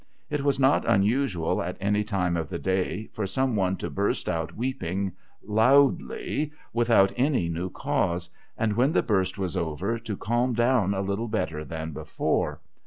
It was not unusual at any time of the day for some one to burst out weeping loudly without any new cause ; and, when the burst was over, to calm down a little better than before.